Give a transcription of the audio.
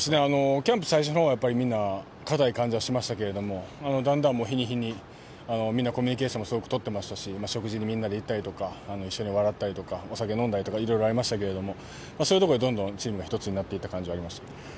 キャンプ最初のほうはみんな硬い感じはしましたけどだんだん日に日にみんなコミュニケーションも取ってましたし食事も行ったり一緒に笑ったりお酒を飲んだりとか色々ありましたけどそういうところでどんどんチームが一つになっていった感じがありました。